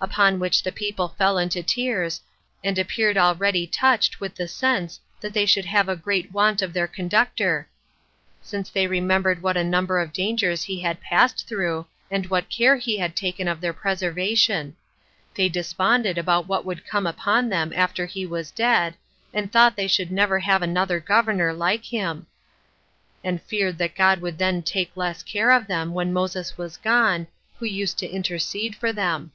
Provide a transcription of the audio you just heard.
Upon which the people fell into tears, and appeared already touched with the sense that they should have a great want of their conductor, because they remembered what a number of dangers he had passed through, and what care he had taken of their preservation: they desponded about what would come upon them after he was dead, and thought they should never have another governor like him; and feared that God would then take less care of them when Moses was gone, who used to intercede for them.